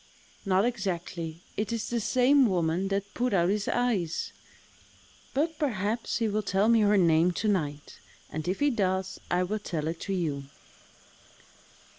"Not exactly: it is the same woman that put out his eyes; but, perhaps, he will tell me her name to night; and if he does, I will tell it to you."